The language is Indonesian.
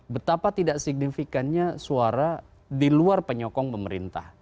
betapa tidak signifikannya suara di luar penyokong pemerintah